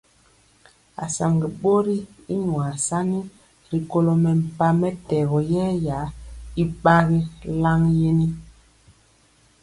Asaŋga bori y nyuasani ri kolo mempah mɛtɛgɔ yɛya y gbagi lan yenir.